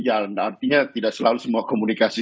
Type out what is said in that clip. jalan artinya tidak selalu semua komunikasi